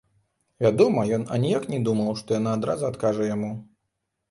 Вядома, ён аніяк не думаў, што яна адразу адкажа яму.